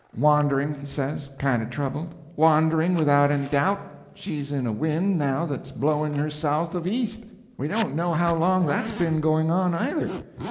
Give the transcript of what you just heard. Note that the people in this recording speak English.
"Wandering," he says, kinder troubled—"wandering, without any doubt. She's in a wind now that's blowing her south of east. We don't know how long that's been going on, either."